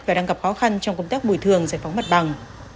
và đang gặp khó khăn trong công tác bồi thường giải phóng mặt bằng